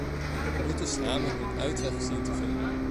We moeten samen een uitweg zien te vinden.